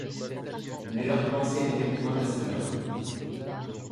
Mais leur pensée n'était point à cela.